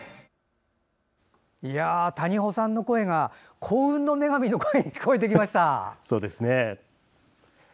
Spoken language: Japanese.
谷保さんの声が幸運の女神の声に聞こえてきました。